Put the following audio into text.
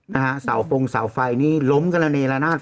นะฮะสาวโฟงสาวไฟนี่ล้มกันแล้วเนี่ยแล้วนะฮะ